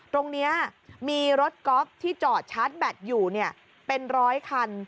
ตรงนี้มีรถก๊อฟที่จอดชาร์จแบตอยู่เป็นร้อยคัน